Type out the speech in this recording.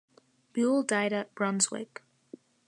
Buhle died at Brunswick.